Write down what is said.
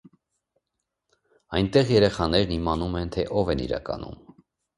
Այնտեղ երեխաներն իմանում են, թե ով են իրականում։